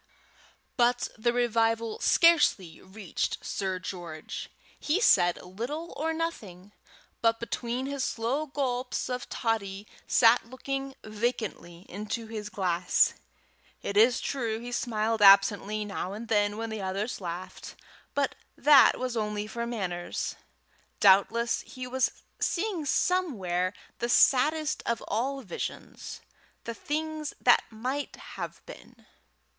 But the revival scarcely reached Sir George. He said little or nothing, but, between his slow gulps of toddy, sat looking vacantly into his glass. It is true he smiled absently now and then when the others laughed, but that was only for manners. Doubtless he was seeing somewhere the saddest of all visions the things that might have been.